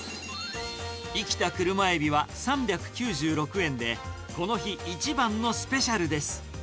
生きた車エビは３９６円で、この日、一番のスペシャルです。